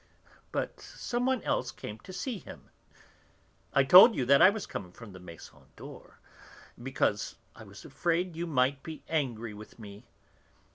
But some one else came to see him. I told you that I was coming from the Maison d'Or because I was afraid you might be angry with me.